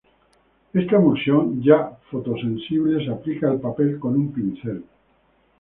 Esta emulsión ya fotosensible, se aplica al papel con un pincel.